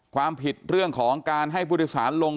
ความผิดเรื่องของการให้ผู้โดยสารลง